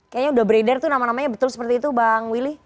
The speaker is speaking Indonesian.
kayaknya udah beredar tuh nama namanya betul seperti itu bang willy